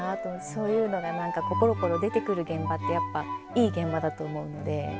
そういうのが何かぽろぽろ出てくる現場ってやっぱいい現場だと思うので。